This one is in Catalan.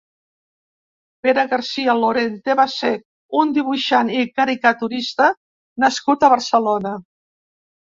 Pere García Lorente va ser un dibuixant i caricaturista nascut a Barcelona.